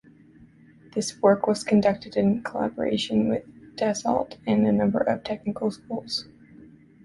This work was conducted in collaboration with Dassault and a number of technical schools.